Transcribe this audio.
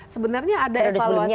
sebenarnya ada evaluasi